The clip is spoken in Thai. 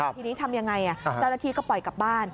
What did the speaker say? ทีนี้ทำยังไงเจ้าหน้าที่ก็ปล่อยกลับบ้าน